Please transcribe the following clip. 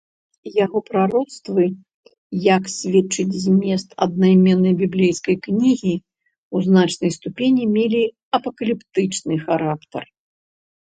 Яго прароцтвы, як сведчыць змест аднайменнай біблейскай кнігі, у значнай ступені мелі апакаліптычны характар.